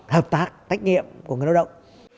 hợp tác tách nghiệm của người lao động